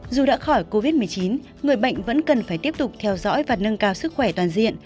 dù đã khỏi covid một mươi chín người bệnh vẫn cần phải tiếp tục theo dõi và nâng cao sức khỏe toàn diện